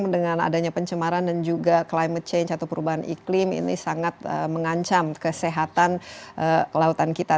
dengan adanya pencemaran dan juga perubahan iklim ini sangat mengancam kesehatan kelautan kita